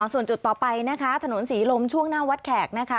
ส่วนจุดต่อไปนะคะถนนศรีลมช่วงหน้าวัดแขกนะคะ